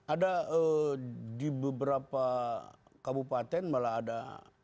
ada di beberapa kabupaten malah ada